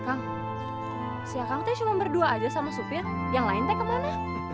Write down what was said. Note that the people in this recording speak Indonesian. kang siakang tuh cuma berdua aja sama supir yang lain teh kemana